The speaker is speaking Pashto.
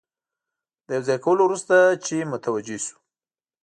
د یو ځای کولو وروسته چې متوجه شو.